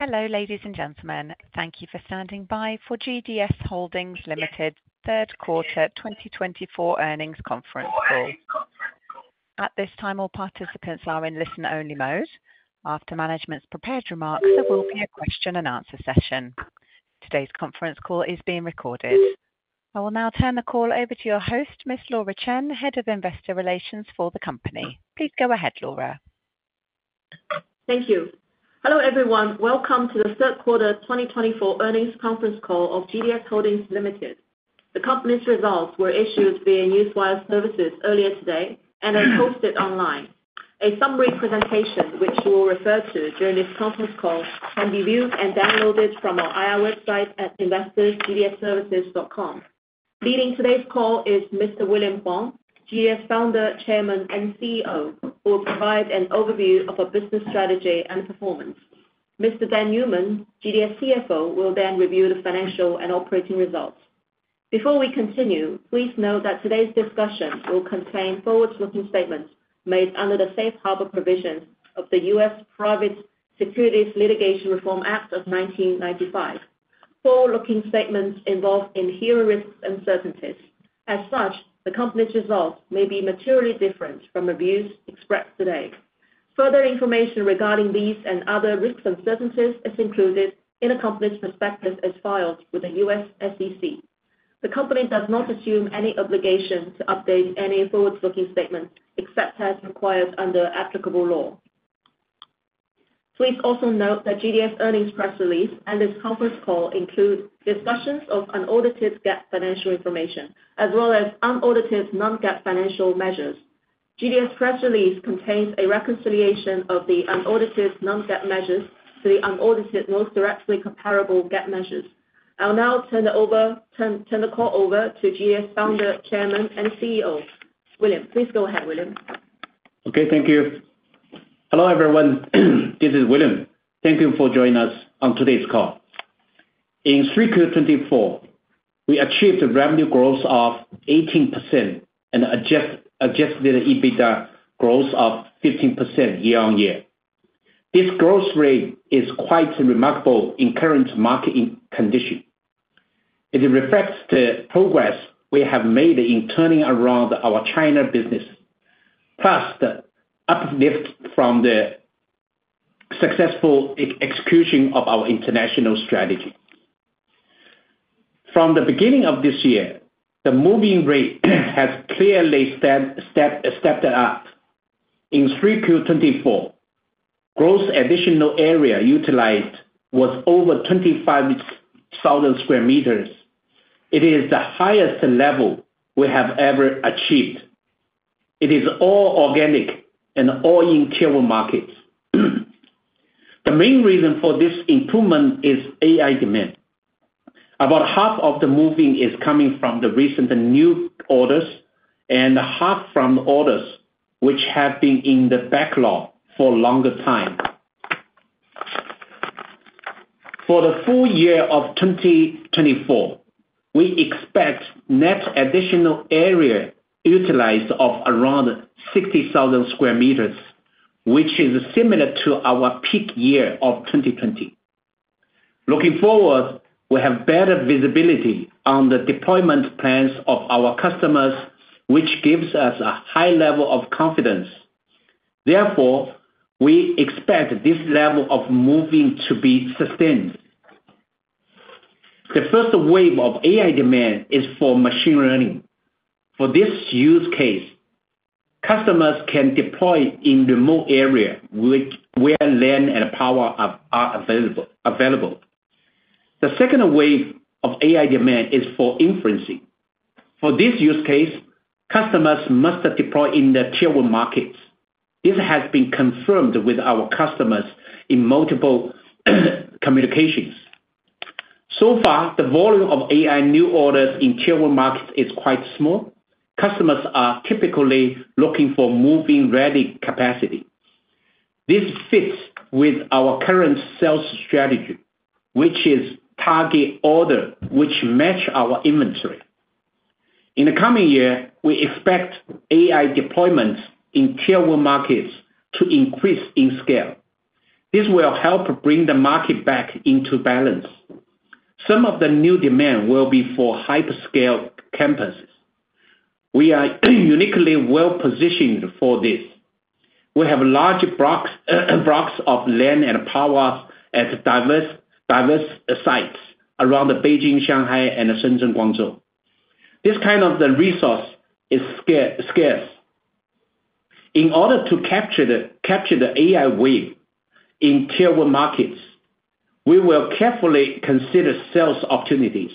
Hello, ladies and gentlemen. Thank you for standing by for GDS Holdings Limited's third quarter 2024 earnings conference call. At this time, all participants are in listener-only mode. After management's prepared remarks, there will be a question-and-answer session. Today's conference call is being recorded. I will now turn the call over to your host, Miss Laura Chen, Head of Investor Relations for the company. Please go ahead, Laura. Thank you. Hello, everyone. Welcome to the third quarter 2024 earnings conference call of GDS Holdings Limited. The company's results were issued via newswire services earlier today and are posted online. A summary presentation, which you will refer to during this conference call, can be viewed and downloaded from our IR website at investors.gds-services.com. Leading today's call is Mr. William Huang, GDS Founder, Chairman, and CEO, who will provide an overview of our business strategy and performance. Mr. Dan Newman, GDS CFO, will then review the financial and operating results. Before we continue, please note that today's discussion will contain forward-looking statements made under the safe harbor provisions of the U.S. Private Securities Litigation Reform Act of 1995. Forward-looking statements involve inherent risks and uncertainties. As such, the company's results may be materially different from those expressed today. Further information regarding these and other risks and uncertainties is included in the company's prospectus as filed with the U.S. SEC. The company does not assume any obligation to update any forward-looking statements except as required under applicable law. Please also note that GDS earnings press release and this conference call include discussions of unaudited GAAP financial information, as well as unaudited Non-GAAP financial measures. GDS press release contains a reconciliation of the unaudited Non-GAAP measures to the unaudited most directly comparable GAAP measures. I'll now turn the call over to GDS Founder, Chairman, and CEO William Huang. Please go ahead, William. Okay, thank you. Hello, everyone. This is William. Thank you for joining us on today's call. In 3Q 2024, we achieved a revenue growth of 18% and adjusted EBITDA growth of 15% year-on-year. This growth rate is quite remarkable in current market conditions. It reflects the progress we have made in turning around our China business, plus the uplift from the successful execution of our international strategy. From the beginning of this year, the move-in rate has clearly stepped up. In 3Q 2024, gross additional area utilized was over 25,000 sq m. It is the highest level we have ever achieved. It is all organic and all in Tier 1 markets. The main reason for this improvement is AI demand. About half of the move-in is coming from the recent new orders and half from the orders which have been in the backlog for a longer time. For the full year of 2024, we expect net additional area utilized of around 60,000 sq m, which is similar to our peak year of 2020. Looking forward, we have better visibility on the deployment plans of our customers, which gives us a high level of confidence. Therefore, we expect this level of move-in to be sustained. The first wave of AI demand is for machine learning. For this use case, customers can deploy in remote areas where land and power are available. The second wave of AI demand is for inferencing. For this use case, customers must deploy in the Tier 1 markets. This has been confirmed with our customers in multiple communications. So far, the volume of AI new orders in Tier 1 markets is quite small. Customers are typically looking for move-in-ready capacity. This fits with our current sales strategy, which is target orders which match our inventory. In the coming year, we expect AI deployments in Tier 1 markets to increase in scale. This will help bring the market back into balance. Some of the new demand will be for hyperscale campuses. We are uniquely well-positioned for this. We have large blocks of land and power at diverse sites around Beijing, Shanghai, and Shenzhen, Guangzhou. This kind of resource is scarce. In order to capture the AI wave in Tier 1 markets, we will carefully consider sales opportunities,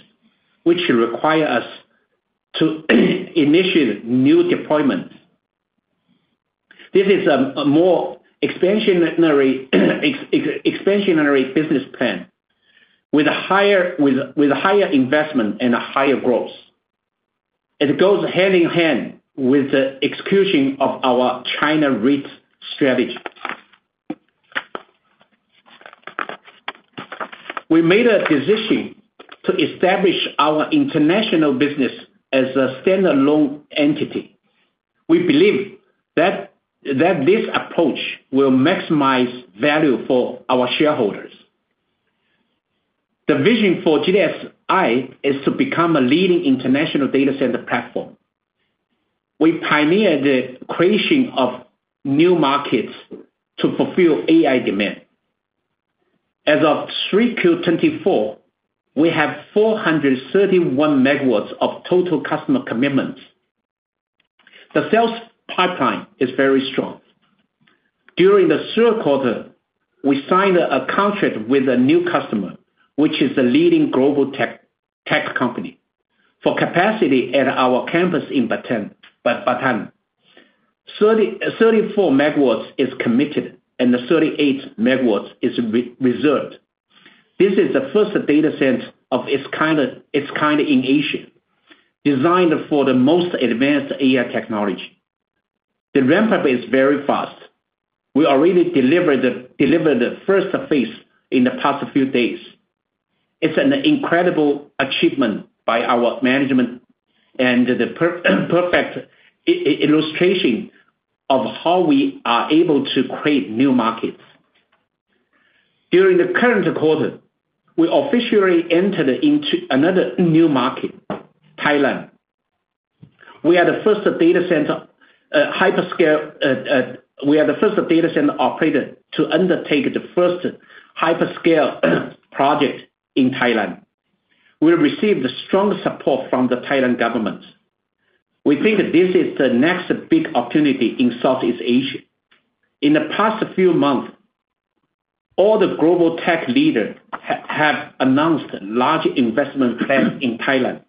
which require us to initiate new deployments. This is a more expansionary business plan with higher investment and a higher growth. It goes hand in hand with the execution of our China REIT strategy. We made a decision to establish our international business as a standalone entity. We believe that this approach will maximize value for our shareholders. The vision for GDSI is to become a leading international data center platform. We pioneered the creation of new markets to fulfill AI demand. As of 3Q 2024, we have 431 MW of total customer commitments. The sales pipeline is very strong. During the third quarter, we signed a contract with a new customer, which is a leading global tech company, for capacity at our campus in Batam. 34 MW is committed, and 38 MW is reserved. This is the first data center of its kind in Asia, designed for the most advanced AI technology. The ramp-up is very fast. We already delivered the first phase in the past few days. It's an incredible achievement by our management and the perfect illustration of how we are able to create new markets. During the current quarter, we officially entered into another new market, Thailand. We are the first data center operator to undertake the first hyperscale project in Thailand. We received strong support from the Thailand government. We think this is the next big opportunity in Southeast Asia. In the past few months, all the global tech leaders have announced large investment plans in Thailand.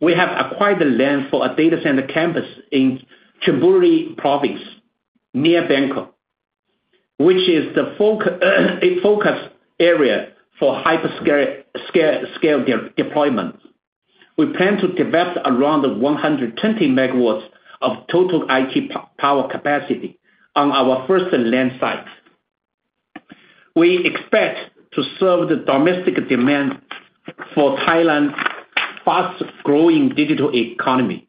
We have acquired the land for a data center campus in Chonburi Province near Bangkok, which is the focus area for hyperscale deployment. We plan to develop around 120 MW of total IT power capacity on our first land site. We expect to serve the domestic demand for Thailand's fast-growing digital economy.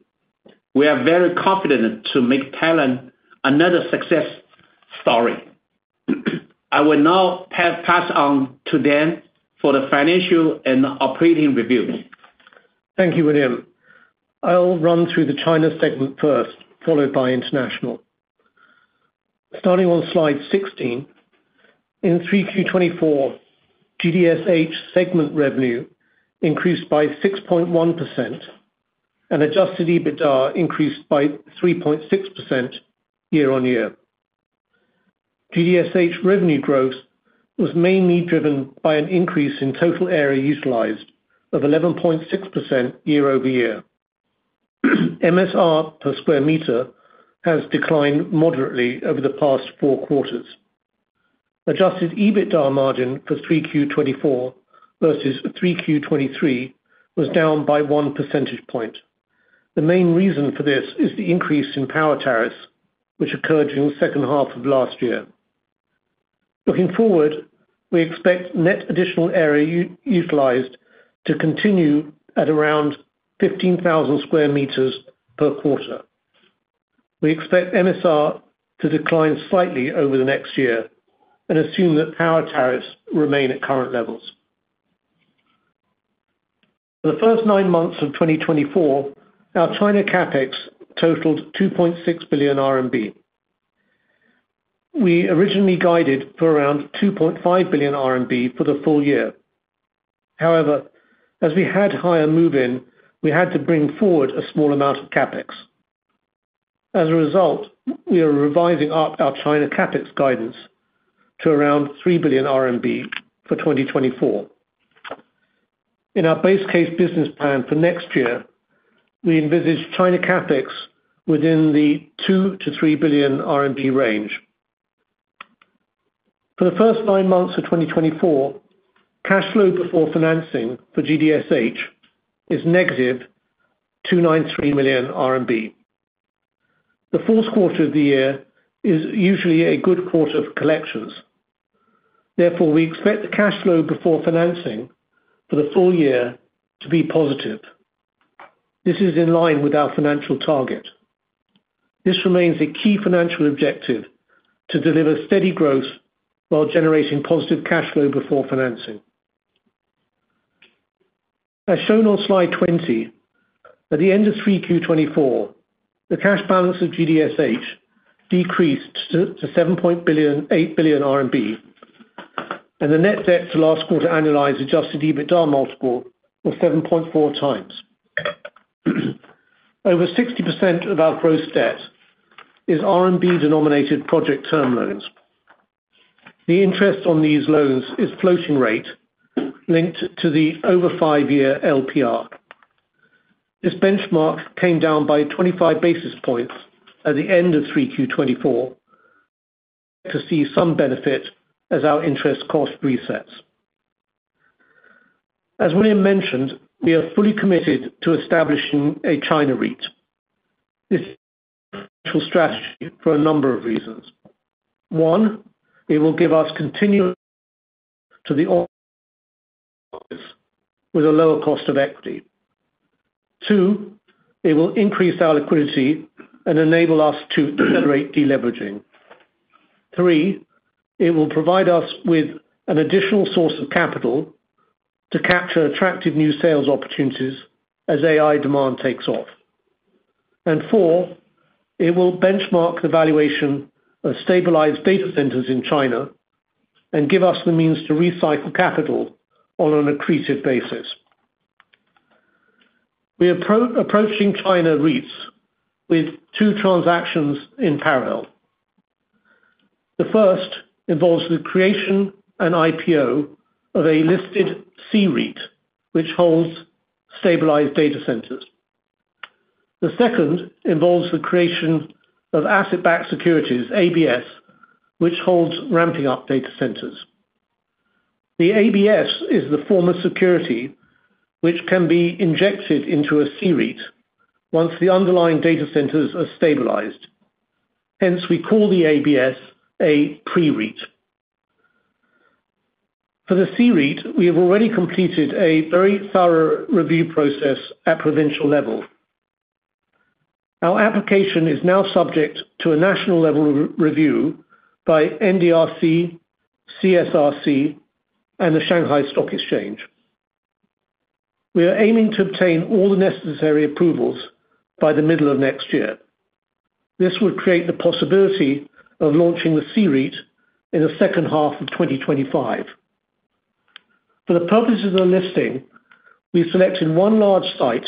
We are very confident to make Thailand another success story. I will now pass on to Dan for the financial and operating reviews. Thank you, William. I'll run through the China segment first, followed by international. Starting on slide 16, in 3Q 2024, GDSH segment revenue increased by 6.1%, and adjusted EBITDA increased by 3.6% year-on-year. GDSH revenue growth was mainly driven by an increase in total area utilized of 11.6% year-over-year. MSR per square meter has declined moderately over the past four quarters. Adjusted EBITDA margin for 3Q 2024 versus 3Q 2023 was down by one percentage point. The main reason for this is the increase in power tariffs, which occurred during the second half of last year. Looking forward, we expect net additional area utilized to continue at around 15,000 sq m per quarter. We expect MSR to decline slightly over the next year and assume that power tariffs remain at current levels. For the first nine months of 2024, our China CapEx totaled 2.6 billion RMB. We originally guided for around 2.5 billion RMB for the full year. However, as we had higher move-in, we had to bring forward a small amount of CapEx. As a result, we are revising up our China CapEx guidance to around 3 billion RMB for 2024. In our base case business plan for next year, we envisage China CapEx within the 2 billion-3 billion range. For the first nine months of 2024, cash flow before financing for GDSH is -293 million RMB. The fourth quarter of the year is usually a good quarter of collections. Therefore, we expect the cash flow before financing for the full year to be positive. This is in line with our financial target. This remains a key financial objective to deliver steady growth while generating positive cash flow before financing. As shown on slide 20, at the end of 3Q 2024, the cash balance of GDSH decreased to 7.8 billion RMB, and the net debt to last quarter annualized adjusted EBITDA multiple was 7.4x. Over 60% of our gross debt is RMB-denominated project term loans. The interest on these loans is floating rate linked to the over five-year LPR. This benchmark came down by 25 basis points at the end of 3Q 2024 to see some benefit as our interest cost resets. As William mentioned, we are fully committed to establishing a China REIT. This is a strategy for a number of reasons. One, it will give us continuity to the offshore with a lower cost of equity. Two, it will increase our liquidity and enable us to accelerate deleveraging. Three, it will provide us with an additional source of capital to capture attractive new sales opportunities as AI demand takes off. And four, it will benchmark the valuation of stabilized data centers in China and give us the means to recycle capital on an accretive basis. We are approaching China REITs with two transactions in parallel. The first involves the creation and IPO of a listed C-REIT, which holds stabilized data centers. The second involves the creation of asset-backed securities, ABS, which holds ramping-up data centers. The ABS is the form of security which can be injected into a C-REIT once the underlying data centers are stabilized. Hence, we call the ABS a Pre-REIT. For the C-REIT, we have already completed a very thorough review process at provincial level. Our application is now subject to a national level review by NDRC, CSRC, and the Shanghai Stock Exchange. We are aiming to obtain all the necessary approvals by the middle of next year. This would create the possibility of launching the C-REIT in the second half of 2025. For the purposes of the listing, we selected one large site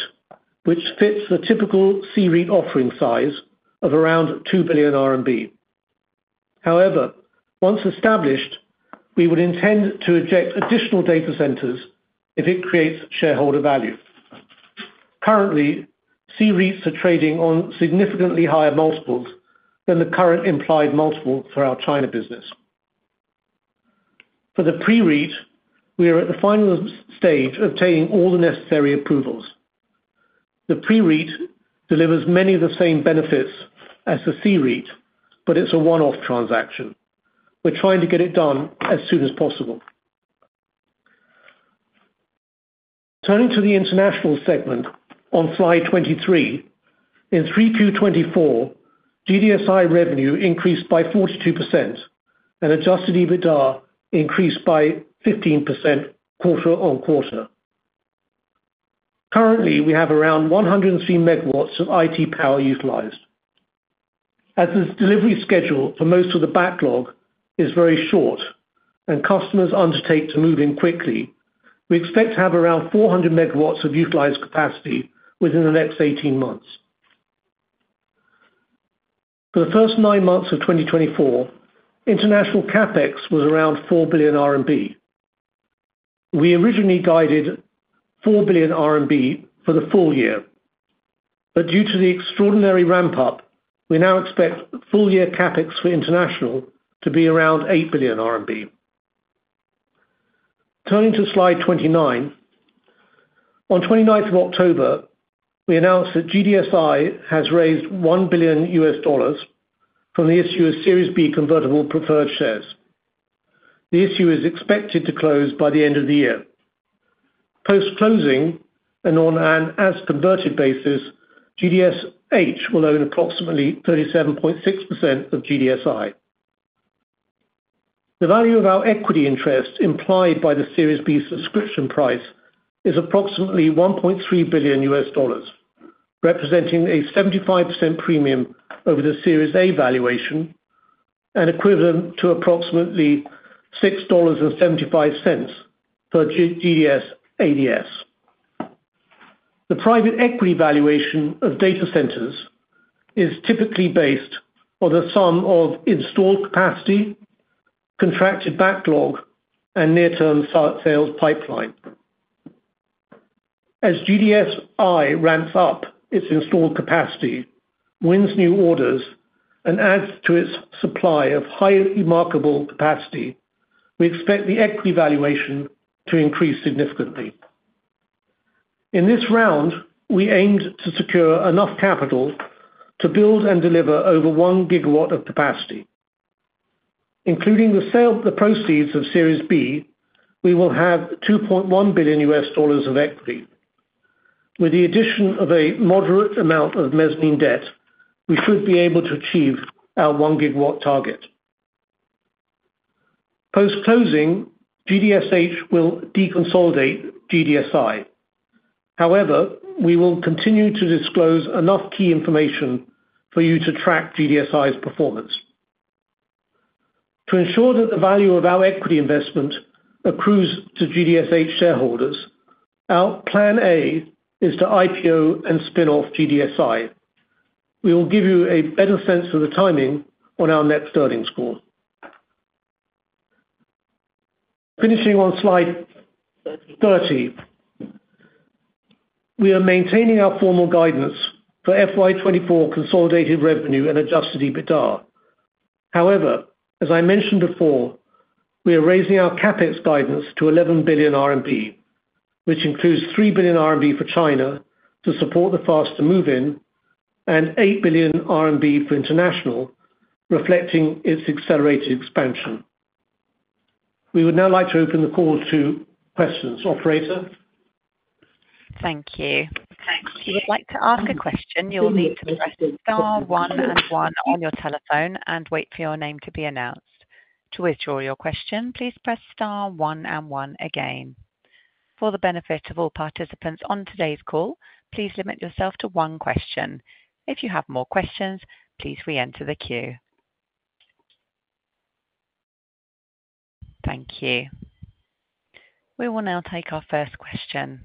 which fits the typical C-REIT offering size of around 2 billion RMB. However, once established, we would intend to inject additional data centers if it creates shareholder value. Currently, C-REITs are trading on significantly higher multiples than the current implied multiple for our China business. For the Pre-REIT, we are at the final stage of obtaining all the necessary approvals. The Pre-REIT delivers many of the same benefits as the C-REIT, but it's a one-off transaction. We're trying to get it done as soon as possible. Turning to the international segment on slide 23, in 3Q 2024, GDSI revenue increased by 42%, and adjusted EBITDA increased by 15% quarter-on-quarter. Currently, we have around 103 MW of IT power utilized. As the delivery schedule for most of the backlog is very short and customers undertake to move in quickly, we expect to have around 400 MW of utilized capacity within the next 18 months. For the first nine months of 2024, international CapEx was around 4 billion RMB. We originally guided 4 billion RMB for the full year, but due to the extraordinary ramp-up, we now expect full-year CapEx for international to be around 8 billion RMB. Turning to slide 29, on 29th of October, we announced that GDSI has raised $1 billion from the issue of Series B Convertible Preferred Shares. The issue is expected to close by the end of the year. Post-closing, and on an as-converted basis, GDSH will own approximately 37.6% of GDSI. The value of our equity interest implied by the Series B subscription price is approximately $1.3 billion, representing a 75% premium over the Series A valuation and equivalent to approximately $6.75 for GDS ADS. The private equity valuation of data centers is typically based on the sum of installed capacity, contracted backlog, and near-term sales pipeline. As GDSI ramps up its installed capacity, wins new orders, and adds to its supply of highly remarkable capacity, we expect the equity valuation to increase significantly. In this round, we aimed to secure enough capital to build and deliver over 1 GW of capacity. Including the proceeds of Series B, we will have $2.1 billion of equity. With the addition of a moderate amount of mezzanine debt, we should be able to achieve our 1 GW target. Post-closing, GDSH will deconsolidate GDSI. However, we will continue to disclose enough key information for you to track GDSI's performance. To ensure that the value of our equity investment accrues to GDSH shareholders, our plan A is to IPO and spin off GDSI. We will give you a better sense of the timing on our next earnings call. Finishing on slide 30, we are maintaining our formal guidance for FY 2024 consolidated revenue and adjusted EBITDA. However, as I mentioned before, we are raising our CapEx guidance to 11 billion RMB, which includes 3 billion RMB for China to support the faster move-in and 8 billion RMB for international, reflecting its accelerated expansion. We would now like to open the call to questions. Operator. Thank you. If you would like to ask a question, you'll need to press star one and one on your telephone and wait for your name to be announced. To withdraw your question, please press star one and one again. For the benefit of all participants on today's call, please limit yourself to one question. If you have more questions, please re-enter the queue. Thank you. We will now take our first question.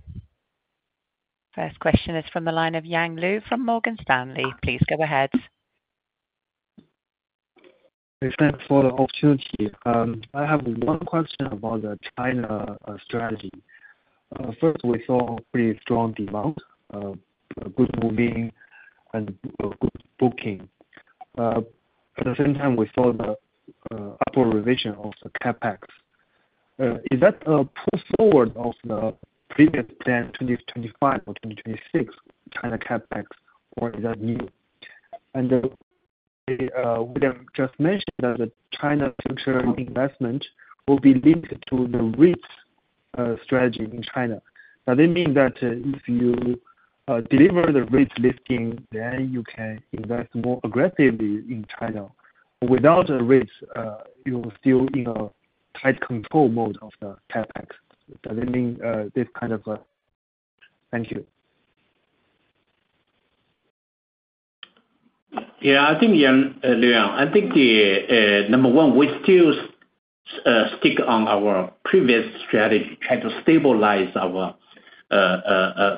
First question is from the line of Yang Liu from Morgan Stanley. Please go ahead. Thanks for the opportunity. I have one question about the China strategy. First, we saw pretty strong demand, good move-in, and good booking. At the same time, we saw the upward revision of the CapEx. Is that a push forward of the previous plan, 2025 or 2026, China CapEx, or is that new? And William just mentioned that the China future investment will be linked to the REIT strategy in China. Does that mean that if you deliver the REIT listing, then you can invest more aggressively in China? Without a REIT, you're still in a tight control mode of the CapEx. Does that mean this kind of... Thank you. Yeah, I think, Yang Liu, I think number one, we still stick on our previous strategy, try to stabilize our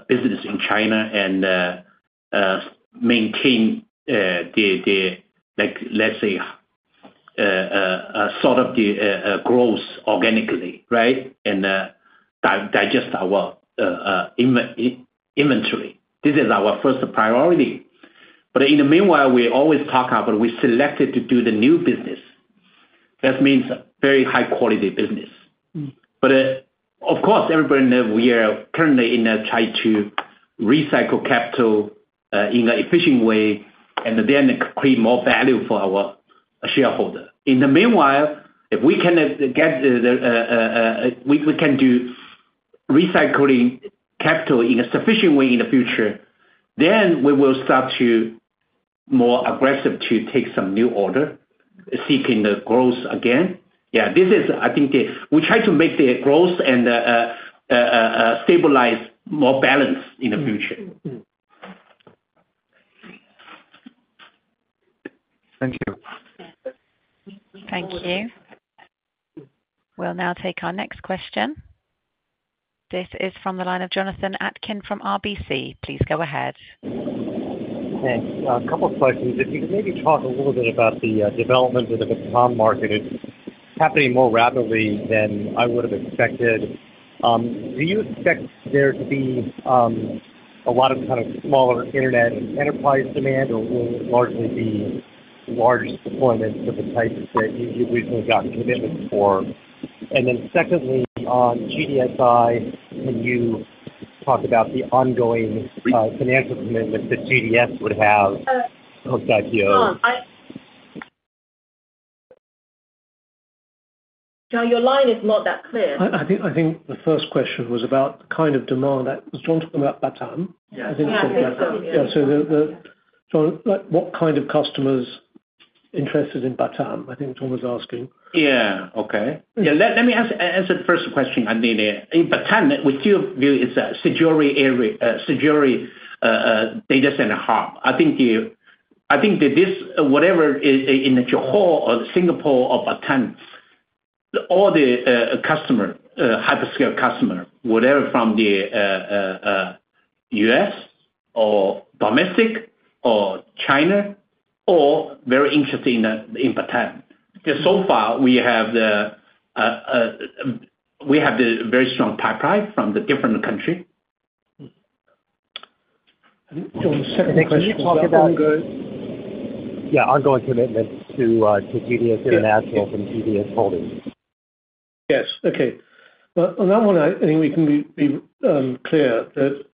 business in China and maintain the, let's say, sort of the growth organically, right, and digest our inventory. This is our first priority. But in the meanwhile, we always talk about we selected to do the new business. That means very high-quality business. But of course, everybody knows we are currently in a try to recycle capital in an efficient way and then create more value for our shareholders. In the meanwhile, if we can get the... we can do recycling capital in a sufficient way in the future, then we will start to be more aggressive to take some new order, seeking the growth again. Yeah, this is, I think, we try to make the growth and stabilize more balance in the future. Thank you. Thank you. We'll now take our next question. This is from the line of Jonathan Atkin from RBC. Please go ahead. Thanks. A couple of questions. If you could maybe talk a little bit about the development of the compute market, it's happening more rapidly than I would have expected. Do you expect there to be a lot of kind of smaller internet and enterprise demand, or will it largely be large deployments of the types that you originally got commitments for? And then secondly, on GDSI, can you talk about the ongoing financial commitment that GDS would have post-IPO? No, your line is not that clear. I think the first question was about the kind of demand that... was Jon talking about Batam? Yes, Batam. Yeah, so Jon, what kind of customers interested in Batam? I think Jon was asking. Yeah, okay. Yeah, let me answer the first question I needed. In Batam, we still view it's a SIJORI data center hub. I think whatever is in the Johor or Singapore or Batam, all the customers, hyperscale customers, whether from the U.S. or domestic or China or very interested in Batam. So far, we have the very strong pipeline from the different countries. Jon, second question. Can you talk about... Yeah, ongoing commitment to GDS International from GDS Holdings? Yes, okay. On that one, I think we can be clear that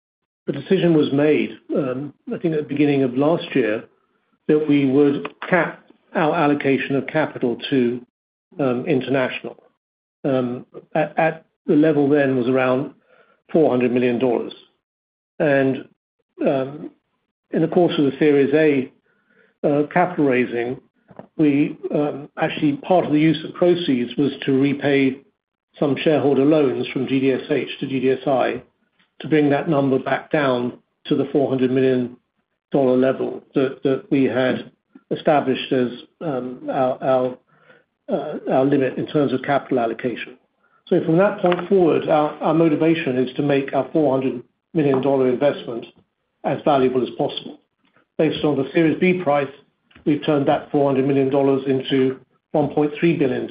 the decision was made, I think, at the beginning of last year, that we would cap our allocation of capital to international. At the level then was around $400 million, and in the course of the Series A capital raising, we actually, part of the use of proceeds was to repay some shareholder loans from GDSH to GDSI to bring that number back down to the $400 million level that we had established as our limit in terms of capital allocation, so from that point forward, our motivation is to make our $400 million investment as valuable as possible. Based on the Series B price, we've turned that $400 million into $1.3 billion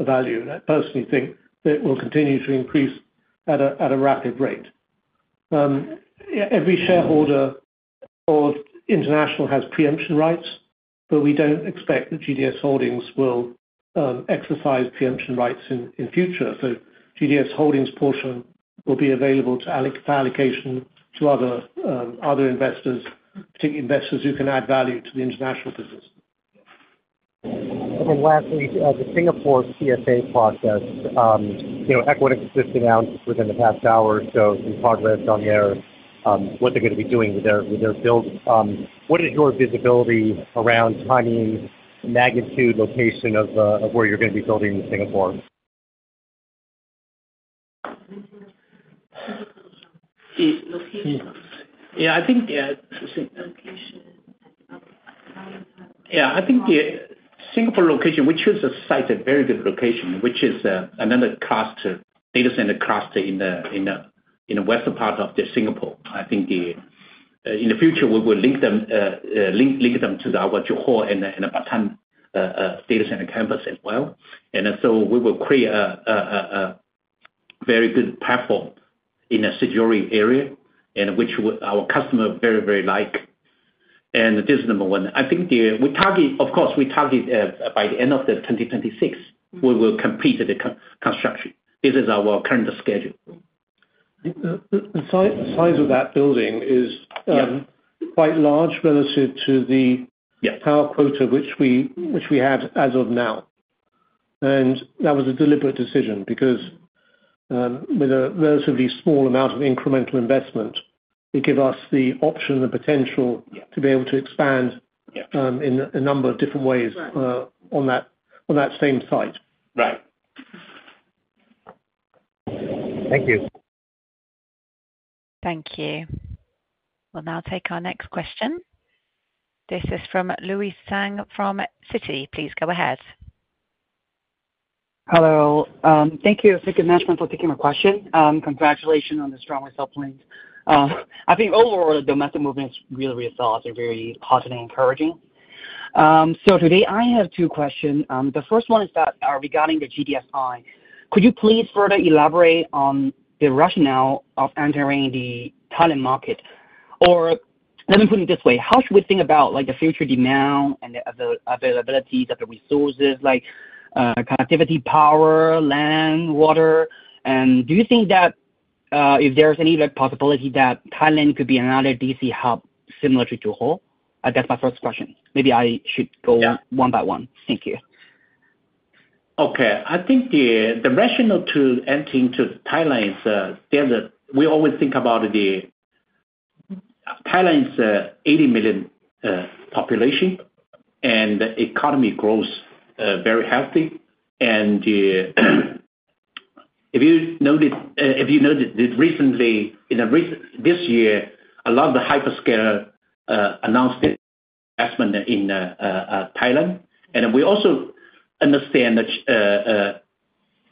of value. I personally think that it will continue to increase at a rapid rate. Every shareholder of International has preemption rights, but we don't expect that GDS Holdings will exercise preemption rights in the future, so GDS Holdings' portion will be available for allocation to other investors, particularly investors who can add value to the international business. And then lastly, the Singapore CFA process, equity issuance now within the past hour or so, some progress on their... what they're going to be doing with their build. What is your visibility around timing, magnitude, location of where you're going to be building in Singapore? Yeah, I think. Yeah, I think the Singapore location, we chose a site, a very good location, which is another cluster, data center cluster in the western part of Singapore. I think in the future, we will link them to our Johor and Batam data center campus as well. And so we will create a very good platform in a SIJORI area, which our customers very, very like. And this is number one. I think we target, of course, we target by the end of 2026, we will complete the construction. This is our current schedule. The size of that building is quite large relative to the power quota which we have as of now, and that was a deliberate decision because with a relatively small amount of incremental investment, it gives us the option and the potential to be able to expand in a number of different ways on that same site. Right. Thank you. Thank you. We'll now take our next question. This is from Louis Tsang from Citi. Please go ahead. Hello. Thank you, operator, for taking my question. Congratulations on the strong results. I think overall, the domestic momentum is really, really solid and very positive and encouraging. So today, I have two questions. The first one is regarding the GDSI. Could you please further elaborate on the rationale of entering the Thailand market? Or let me put it this way. How should we think about the future demand and the availability of the resources, like connectivity, power, land, water? And do you think that if there's any possibility that Thailand could be another DC hub similar to Johor? That's my first question. Maybe I should go one by one. Thank you. Okay. I think the rationale to entering to Thailand is we always think about the Thailand's 80 million population, and the economy grows very healthy, and if you noticed, recently, this year, a lot of the hyperscale announced investment in Thailand. And we also understand that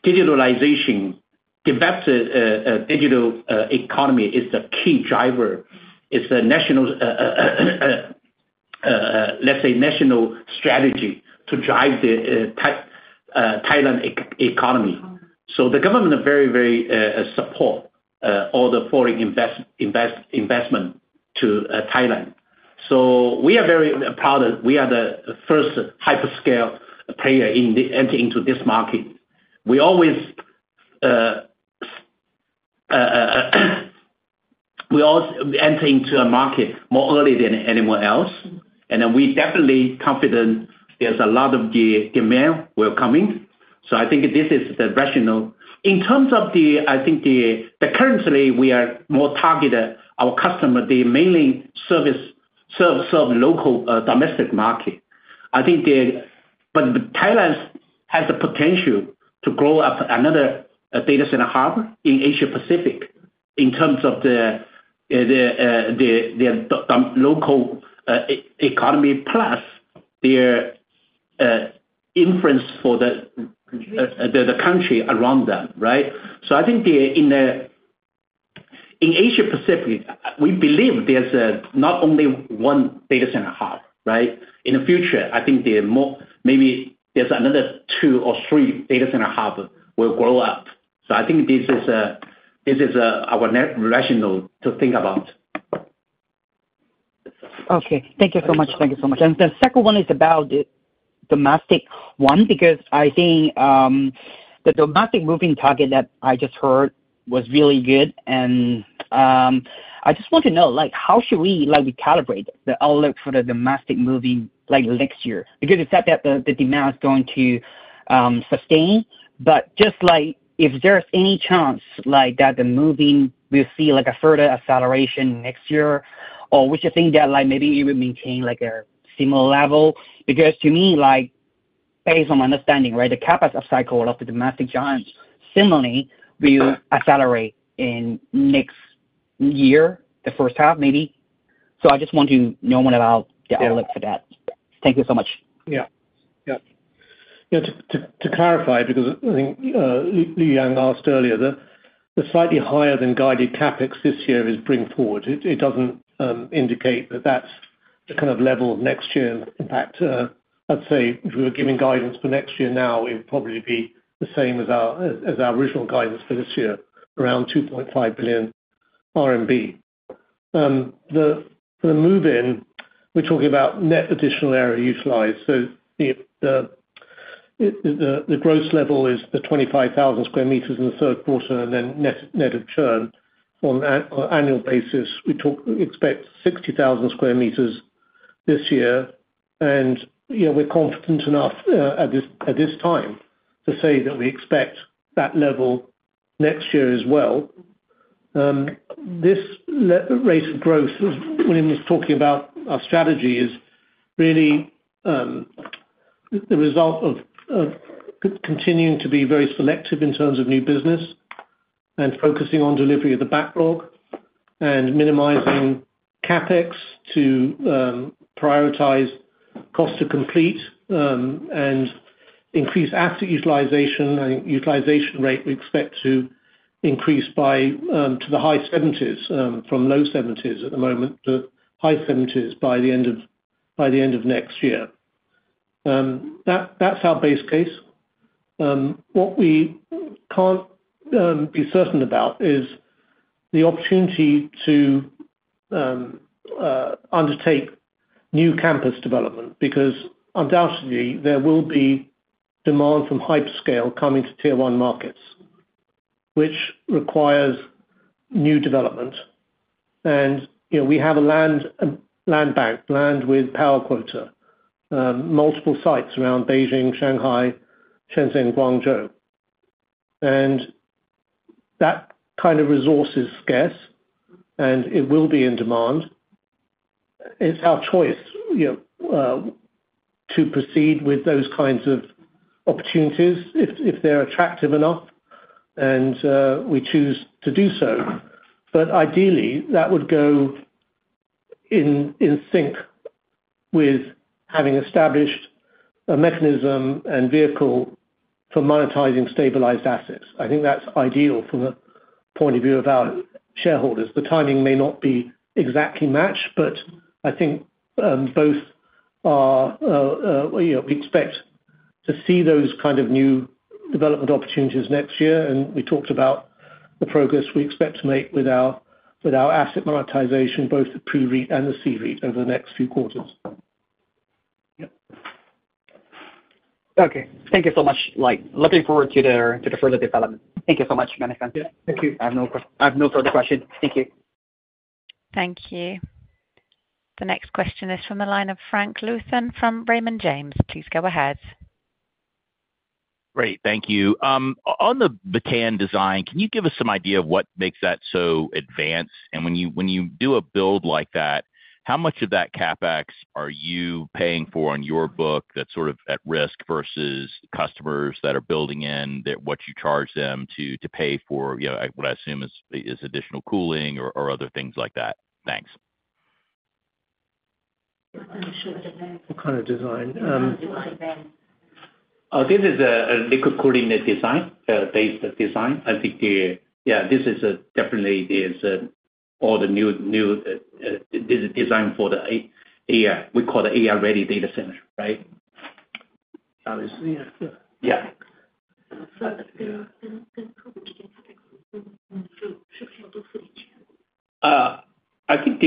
digitalization, developed digital economy, is the key driver. It's a, let's say, national strategy to drive the Thailand economy. So the government very, very support all the foreign investment to Thailand. So we are very proud that we are the first hyperscale player in entering into this market. We always enter into a market more early than anyone else. And we're definitely confident there's a lot of demand will come in. So I think this is the rationale. In terms of the, I think the currently, we are more targeted our customer, the mainly serve local domestic market. I think Thailand has the potential to grow up another data center hub in Asia Pacific in terms of the local economy, plus their infrastructure for the country around them, right? So I think in Asia Pacific, we believe there's not only one data center hub, right? In the future, I think maybe there's another two or three data center hubs will grow up. So I think this is our rationale to think about. Okay. Thank you so much. Thank you so much. And the second one is about the domestic one because I think the domestic move-in target that I just heard was really good. And I just want to know, how should we calibrate the outlook for the domestic move-in next year? Because it's not that the demand is going to sustain, but just if there's any chance that the move-in will see a further acceleration next year, or would you think that maybe it will maintain a similar level? Because to me, based on my understanding, right, the CapEx upcycle of the domestic giants similarly will accelerate in next year, the first half maybe. So I just want to know more about the outlook for that. Thank you so much. Yeah. Yeah. To clarify, because I think Liu Yang asked earlier, the slightly higher than guided CapEx this year is brought forward. It doesn't indicate that that's the kind of level next year. In fact, I'd say if we were giving guidance for next year now, it would probably be the same as our original guidance for this year, around 2.5 billion RMB. For the move-in, we're talking about net additional area utilized. So the gross level is the 25,000 sq m in the third quarter and then net of churn on an annual basis. We expect 60,000 sq m this year. And we're confident enough at this time to say that we expect that level next year as well. This rate of growth William was talking about, our strategy is really the result of continuing to be very selective in terms of new business and focusing on delivery of the backlog and minimizing CapEx to prioritize cost to complete and increase asset utilization. I think utilization rate we expect to increase to the high 70s from low 70s at the moment to high 70s by the end of next year. That's our base case. What we can't be certain about is the opportunity to undertake new campus development because undoubtedly, there will be demand from hyperscale coming to Tier 1 markets, which requires new development. We have a land bank, land with power quota, multiple sites around Beijing, Shanghai, Shenzhen, Guangzhou. That kind of resource is scarce, and it will be in demand. It's our choice to proceed with those kinds of opportunities if they're attractive enough, and we choose to do so. But ideally, that would go in sync with having established a mechanism and vehicle for monetizing stabilized assets. I think that's ideal from the point of view of our shareholders. The timing may not be exactly matched, but I think both are we expect to see those kind of new development opportunities next year, and we talked about the progress we expect to make with our asset monetization, both the Pre-REIT and the C-REIT over the next few quarters. Yeah. Okay. Thank you so much. Looking forward to the further development. Thank you so much, Management. Yeah. Thank you. I have no further questions. Thank you. Thank you. The next question is from the line of Frank Louthan from Raymond James. Please go ahead. Great. Thank you. On the Batam design, can you give us some idea of what makes that so advanced? And when you do a build like that, how much of that CapEx are you paying for on your book that's sort of at risk versus customers that are building in what you charge them to pay for, what I assume is additional cooling or other things like that? Thanks. What kind of design? This is a liquid cooling design, based design. I think, yeah, this is definitely all the new design for the AI we call the AI-ready data center, right? Yeah. I think,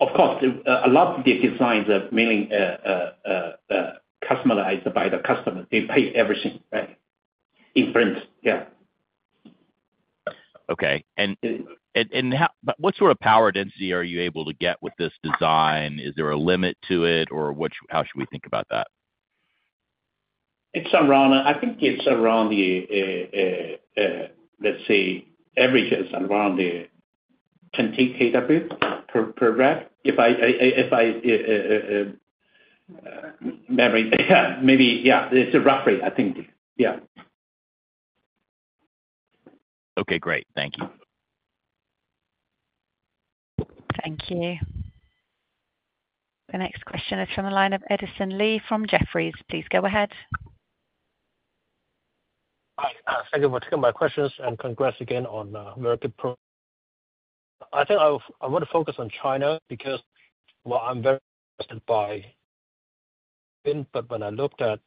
of course, a lot of the designs are mainly customized by the customer. They pay everything, right? In principle, yeah. Okay. And what sort of power density are you able to get with this design? Is there a limit to it, or how should we think about that? It's around, I think it's around the, let's say, average is around the 20 kW per rack. If I remember, yeah, maybe, yeah, it's a rough rate, I think. Yeah. Okay. Great. Thank you. Thank you. The next question is from the line of Edison Lee from Jefferies. Please go ahead. Hi. Thank you for taking my questions, and congrats again on a very good program. I think I want to focus on China because, well, I'm very interested by, but when I looked at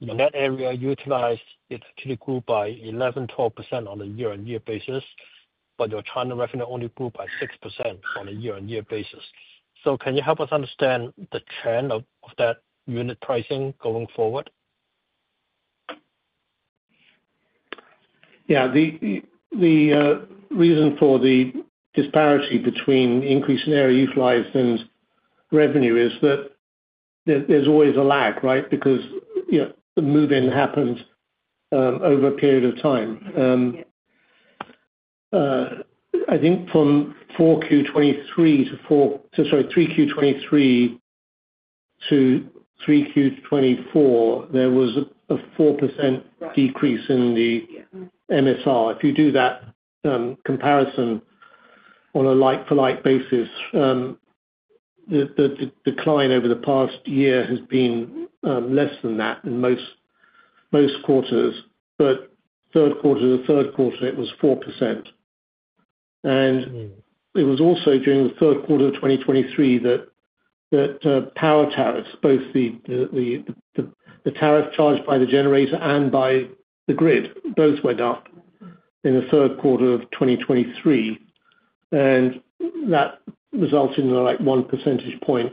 the net area utilized, it actually grew by 11%, 12% on a year-on-year basis, but your China revenue only grew by 6% on a year-on-year basis. So can you help us understand the trend of that unit pricing going forward? Yeah. The reason for the disparity between increase in area utilized and revenue is that there's always a lag, right, because the move-in happens over a period of time. I think from 4Q 2023 to 4 sorry, 3Q 2023 to 3Q 2024, there was a 4% decrease in the MSR. If you do that comparison on a like-for-like basis, the decline over the past year has been less than that in most quarters. But third quarter to third quarter, it was 4%. And it was also during the third quarter of 2023 that power tariffs, both the tariff charged by the generator and by the grid, both went up in the third quarter of 2023. And that resulted in a 1 percentage point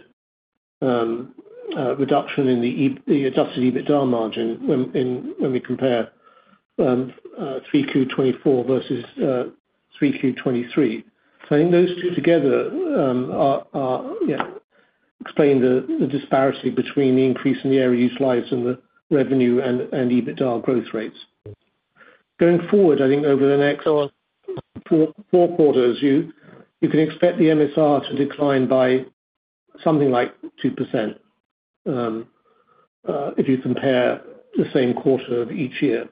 reduction in the adjusted EBITDA margin when we compare 3Q 2024 versus 3Q 2023. So I think those two together explain the disparity between the increase in the area utilized and the revenue and EBITDA growth rates. Going forward, I think over the next four quarters, you can expect the MSR to decline by something like 2% if you compare the same quarter of each year.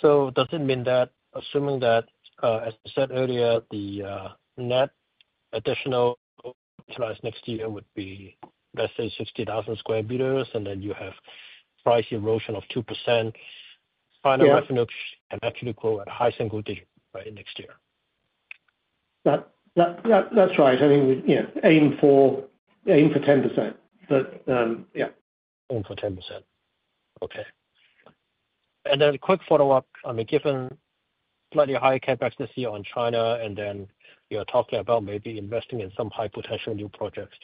So does it mean that, assuming that, as I said earlier, the net additional utilized next year would be, let's say, 60,000 sq m, and then you have price erosion of 2%, final revenue can actually grow at a high single digit, right, next year? That's right. I mean, aim for 10%, but yeah. Aim for 10%. Okay. And then a quick follow-up. I mean, given slightly higher CapEx this year on China, and then you're talking about maybe investing in some high-potential new projects.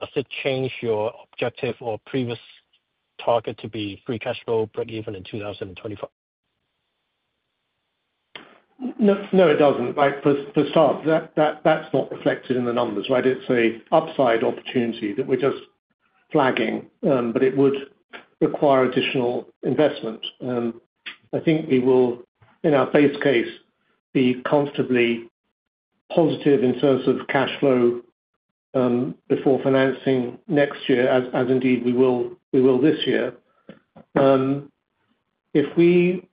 Does it change your objective or previous target to be free cash flow break-even in 2025? No, it doesn't. Right. For starters, that's not reflected in the numbers, right? It's an upside opportunity that we're just flagging, but it would require additional investment. I think we will, in our base case, be comfortably positive in terms of cash flow before financing next year, as indeed we will this year. If we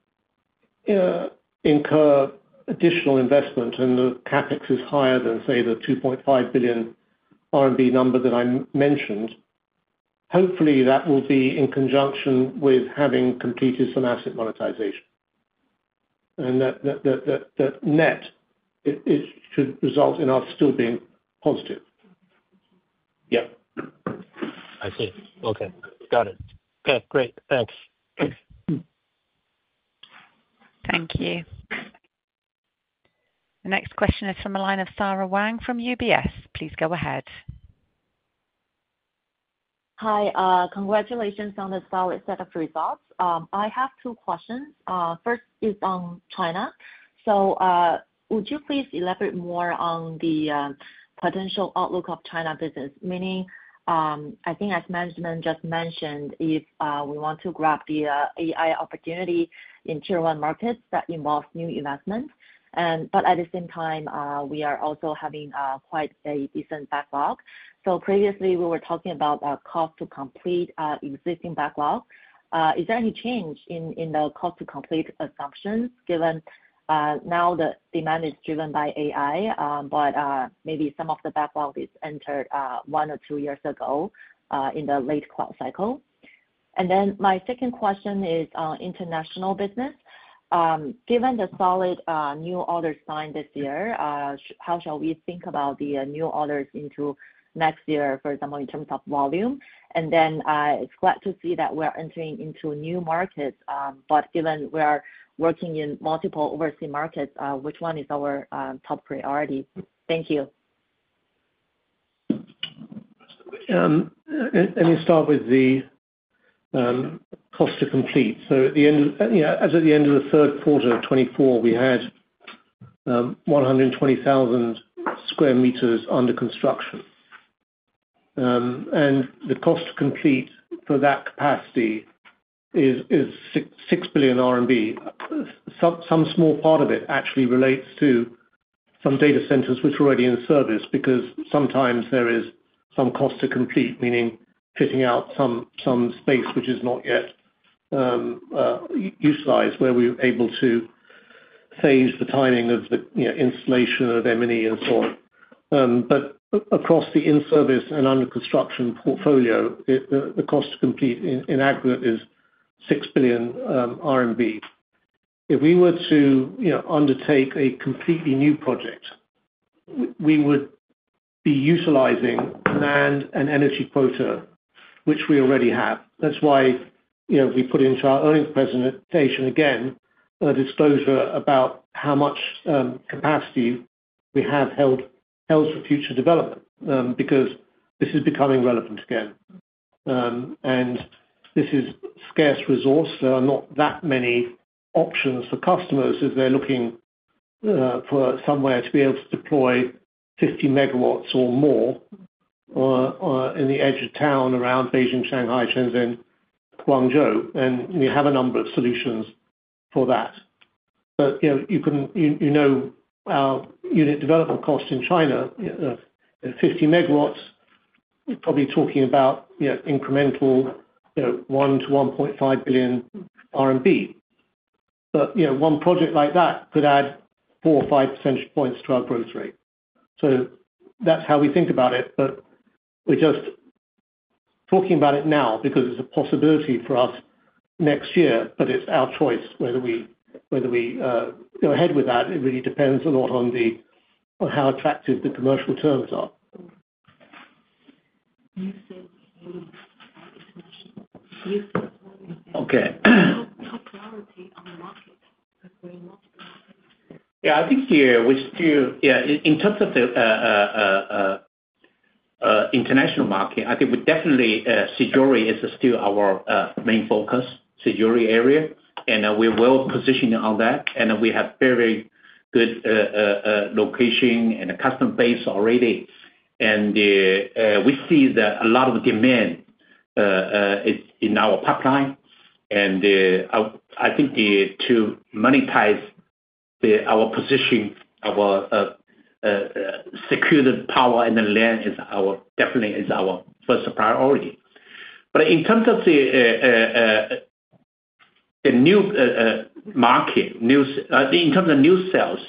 incur additional investment and the CapEx is higher than, say, the 2.5 billion RMB number that I mentioned, hopefully, that will be in conjunction with having completed some asset monetization, and that net, it should result in us still being positive. Yeah. I see. Okay. Got it. Okay. Great. Thanks. Thank you. The next question is from the line of Sara Wang from UBS. Please go ahead. Hi. Congratulations on the solid set of results. I have two questions. First is on China. So would you please elaborate more on the potential outlook of China business? Meaning, I think, as Management just mentioned, we want to grab the AI opportunity in Tier 1 markets that involves new investment. But at the same time, we are also having quite a decent backlog. So previously, we were talking about cost to complete existing backlog. Is there any change in the cost to complete assumptions given now the demand is driven by AI, but maybe some of the backlog is entered one or two years ago in the late cycle? And then my second question is on international business. Given the solid new orders signed this year, how shall we think about the new orders into next year, for example, in terms of volume? And then I'm glad to see that we are entering into new markets, but given we are working in multiple overseas markets, which one is our top priority? Thank you. Let me start with the cost to complete. As of the end of the third quarter of 2024, we had 120,000 sq m under construction. The cost to complete for that capacity is 6 billion RMB. Some small part of it actually relates to some data centers which are already in service because sometimes there is some cost to complete, meaning fitting out some space which is not yet utilized where we're able to phase the timing of the installation of M&E and so on. Across the in-service and under construction portfolio, the cost to complete in aggregate is 6 billion RMB. If we were to undertake a completely new project, we would be utilizing land and energy quota, which we already have. That's why we put into our earnings presentation again a disclosure about how much capacity we have held for future development because this is becoming relevant again. And this is a scarce resource. There are not that many options for customers if they're looking for somewhere to be able to deploy 50 MW or more in the edge of town around Beijing, Shanghai, Shenzhen, Guangzhou. And we have a number of solutions for that. But you know our unit development cost in China, 50 MW, we're probably talking about incremental 1 billion-1.5 billion RMB. But one project like that could add four or five percentage points to our growth rate. So that's how we think about it. But we're just talking about it now because it's a possibility for us next year, but it's our choice whether we go ahead with that. It really depends a lot on how attractive the commercial terms are. Okay. Yeah. I think yeah, in terms of the international market, I think definitely SIJORI is still our main focus, SIJORI area. And we're well positioned on that. And we have very, very good location and a customer base already. And we see that a lot of demand is in our pipeline. And I think to monetize our position, our secured power and the land definitely is our first priority. But in terms of the new market, in terms of new sales,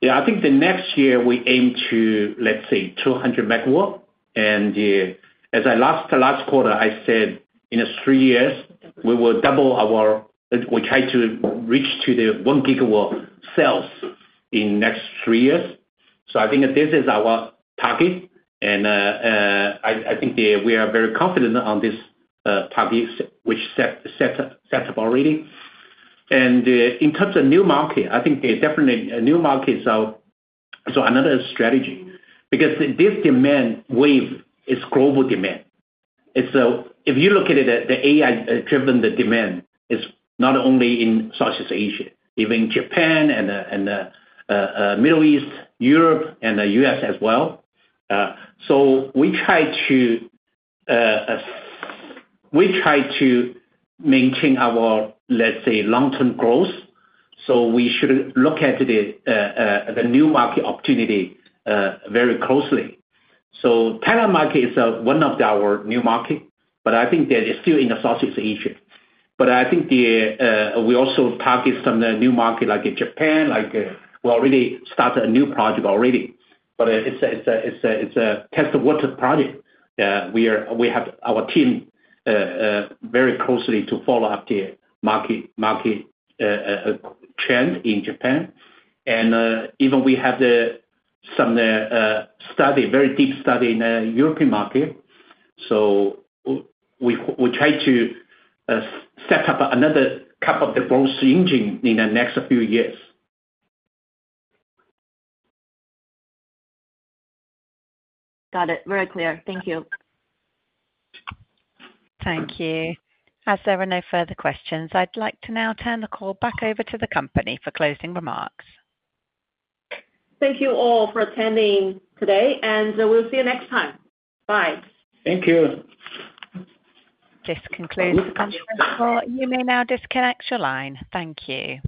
yeah, I think the next year we aim to, let's say, 200 MW. And as I last quarter, I said in three years, we will double our we try to reach to the 1 GW sales in the next three years. So I think this is our target. And I think we are very confident on this target which is set up already. And in terms of new market, I think definitely new markets are another strategy because this demand wave is global demand. If you look at it, the AI-driven demand is not only in Southeast Asia, even Japan and the Middle East, Europe, and the U.S. as well. So we try to maintain our, let's say, long-term growth. So we should look at the new market opportunity very closely. So Thai market is one of our new markets, but I think that it's still in Southeast Asia. But I think we also target some new markets like Japan. We already started a new project. But it's a test of water project. We have our team very closely to follow up the market trend in Japan. And even we have some study, very deep study in the European market. We try to set up another hub of the growth engine in the next few years. Got it. Very clear. Thank you. Thank you. As there are no further questions, I'd like to now turn the call back over to the company for closing remarks. Thank you all for attending today, and we'll see you next time. Bye. Thank you. This concludes the conference call. You may now disconnect your line. Thank you.